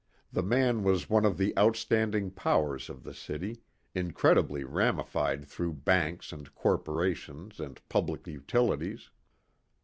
The man was one of the outstanding powers of the city, incredibly ramified through banks and corporations and public utilities.